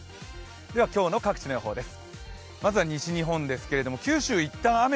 では、今日の各地の予報です。